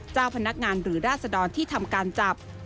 เจ้าพนักงานหรือราศดรที่ทำการจับ